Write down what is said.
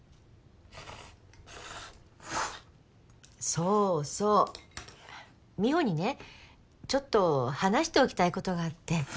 そうそう美帆にねちょっと話しておきたいことがあって。